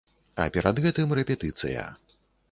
А перад гэтым рэпетыцыя.